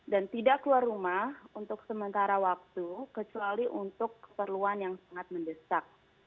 dan tidak keluar rumah untuk sementara waktu kecuali untuk keperluan yang sangat mendesak